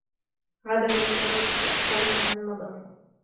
هذا هو السبب في تاخره عن المدرسة.